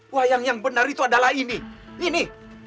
wayang yang benar itu adalah ini ini